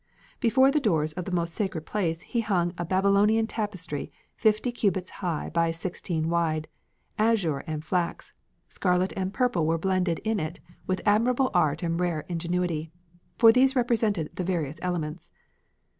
Before the doors of the most sacred place he hung a Babylonian tapestry fifty cubits high by sixteen wide: azure and flax, scarlet and purple were blended in it with admirable art and rare ingenuity, for these represented the various elements.